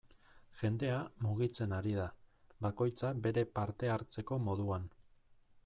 Jendea mugitzen ari da, bakoitza bere parte hartzeko moduan.